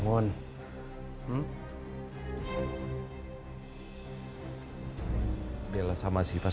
sudah jam jelly